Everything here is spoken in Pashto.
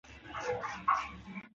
لیوه په ځنګل کې ګډ ژوند کوي.